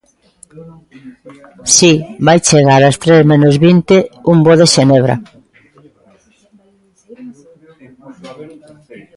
Si, vai chegar as tres menos vinte un voo de Xenebra.